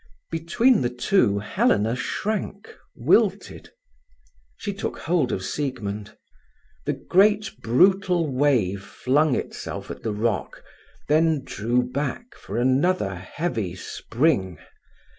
Between the two Helena shrank, wilted. She took hold of Siegmund. The great, brutal wave flung itself at the rock, then drew back for another heavy spring.